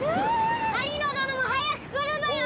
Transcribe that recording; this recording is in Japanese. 狩野どのも早く来るぞよ！